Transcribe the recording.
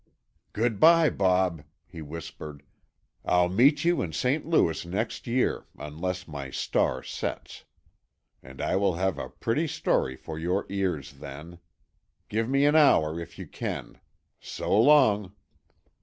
"Good bye, Bob," he whispered. "I'll meet you in St. Louis next year, unless my star sets. And I will have a pretty story for your ears, then. Give me an hour, if you can. So long."